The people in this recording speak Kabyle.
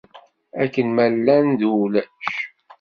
Akken ma llan, d ulac.